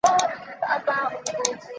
家纹是六鸠酢草纹。